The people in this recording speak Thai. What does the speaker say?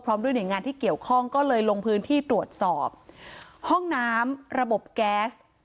ด้วยหน่วยงานที่เกี่ยวข้องก็เลยลงพื้นที่ตรวจสอบห้องน้ำระบบแก๊ส